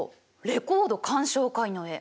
レコード鑑賞会の絵。